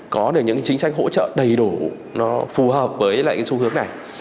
có được những chính sách hỗ trợ đầy đủ nó phù hợp với lại cái xu hướng này